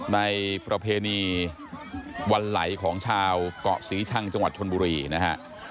ประเพณีวันไหลของชาวเกาะศรีชังจังหวัดชนบุรีนะฮะ